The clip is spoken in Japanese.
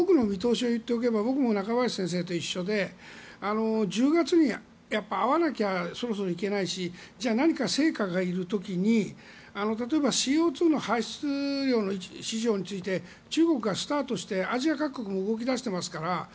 僕も中林先生と一緒でそろそろ１０月に会わなきゃいけないし何か成果がいる時に例えばＣＯ２の排出量の市場について中国がスタートしてアジア各国も動き出していますから。